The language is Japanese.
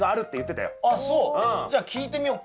じゃあ聞いてみよっか。